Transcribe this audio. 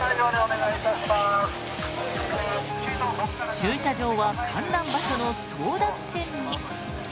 駐車場は観覧場所の争奪戦に。